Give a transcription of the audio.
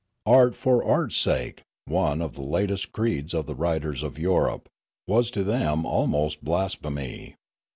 Art for art's sake, one of the latest creeds of the writers of Europe, was to them almost blasphemy.